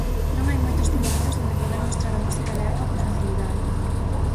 Non hai moitos circuítos onde poder mostrar a música de arpa con facilidade.